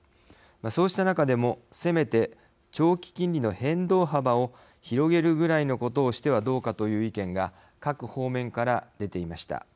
そうした中でもせめて長期金利の変動幅を広げるぐらいのことをしてはどうかという意見が各方面から出ていました。